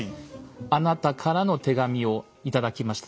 「あなたからの手紙を頂きました」。